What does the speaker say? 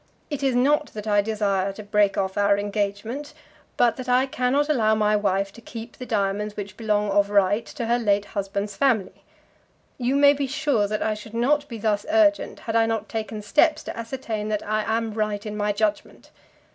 It is not that I desire to break off our engagement; but that I cannot allow my wife to keep the diamonds which belong of right to her late husband's family. You may be sure that I should not be thus urgent had I not taken steps to ascertain that I am right in my judgment.